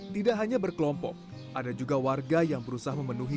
tidak hanya berkelompok ada juga warga yang berusaha memenuhi